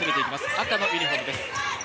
赤のユニフォームです。